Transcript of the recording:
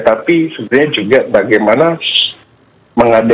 tapi sebenarnya juga bagaimana